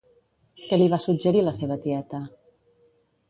Què li va suggerir la seva tieta?